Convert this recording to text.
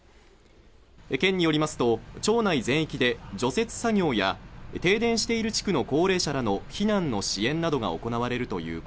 県によりますと、町内全域で除雪作業や停電している地区の高齢者らの避難の支援などが行われるというこ